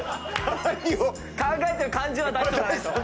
考えてる感じは出しとかないと。